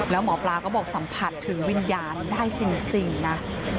แล้วหมอปลาก็บอกสัมผัสถึงวิญญาณได้จริงนะ